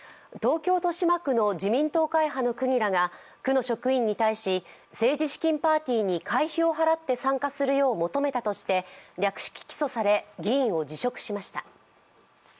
東京・豊島区の自民党会派の区議らが区の職員に対し政治資金パーティーに回避を払って参加するよう求めたとして略式起訴され議員を辞職しました。